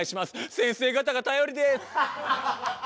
先生方が頼りです。